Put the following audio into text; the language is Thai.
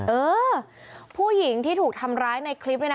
เออผู้หญิงที่ถูกทำร้ายในคลิปนี้นะ